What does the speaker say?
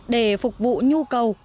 để phục vụ nhu cầu cụm